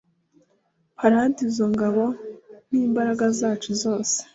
Parade izo ngabo Nimbaraga zacu zose